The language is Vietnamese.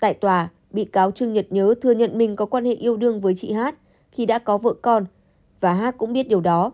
tại tòa bị cáo trương nhật nhớ thừa nhận mình có quan hệ yêu đương với chị hát khi đã có vợ con và hát cũng biết điều đó